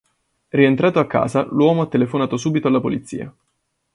Rientrato a casa, l'uomo ha telefonato subito alla polizia.